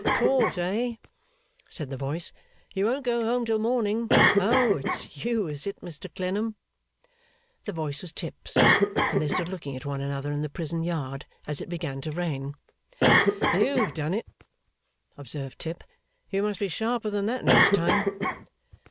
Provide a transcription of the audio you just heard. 'Caught, eh?' said the voice. 'You won't go home till morning. Oh! It's you, is it, Mr Clennam?' The voice was Tip's; and they stood looking at one another in the prison yard, as it began to rain. 'You've done it,' observed Tip; 'you must be sharper than that next time.